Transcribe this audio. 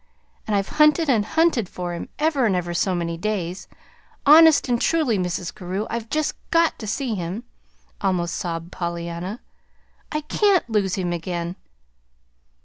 And I've hunted and hunted for him, ever and ever so many days. Honest and truly, Mrs. Carew, I've just GOT to see him," almost sobbed Pollyanna. "I can't lose him again!"